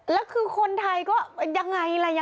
แล้วคือคนไทยก็ยังไงล่ะ